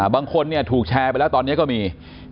บางคนถูกแชร์ไปแล้วตอนนี้ก็มี